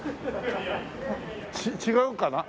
違うかな？